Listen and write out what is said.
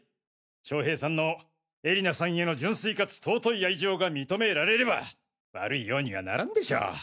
将平さんの絵里菜さんへの純粋かつ尊い愛情が認められれば悪いようにはならんでしょう。